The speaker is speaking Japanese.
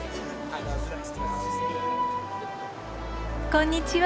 こんにちは。